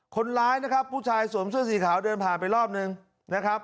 คนร้ายนะครับผู้ชายสวมเสื้อสีขาวเดินผ่านไปรอบนึงนะครับ